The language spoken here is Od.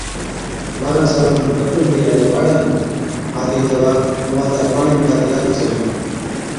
ٻارهان سالان کن گھٽ عمرِي هاڙي ٻاڙا نُون آڌِي دَوا ائُون آڌَي پاڻِي مِلاتِي راتِي چَي هڻا۔